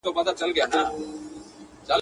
په پښه پوري هم نه څکوي